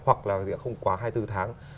hoặc là không quá hai mươi bốn tháng